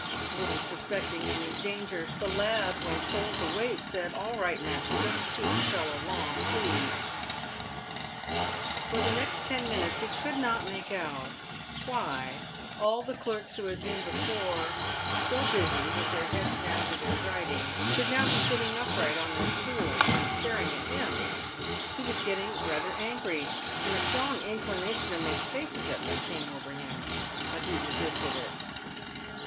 Little suspecting any danger, the lad, when told to wait, said, " All right, master, don't keep a fellow long, please." Por the next ten minutes, he could not make out why all the clerks who had before been so busy with their heads down to their writing, should be now sitting upright on their stools, and staring at him. He was getting rather angry, and a strong inclination to make faces at them came over him, but he resisted it.